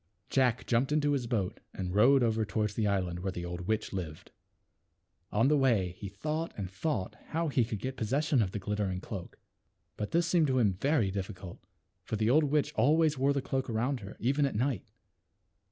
Jack jumped into his boat and rowed over toward the island where the old witch lived. On the way he thought and thought how he could get possession of the glittering cloak. But this seemed to him very difficult, for the old witch always wore the cloak around her, even at night.